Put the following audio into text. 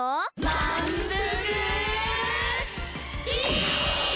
まんぷくビーム！